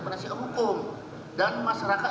presiden hukum dan masyarakat